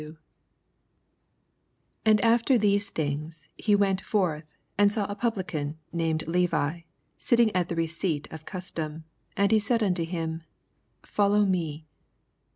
27 And after these things lie went forth, and saw a Pablican, named Levi, aittiiig at the receipt of custom : and he said nnto him. Follow me.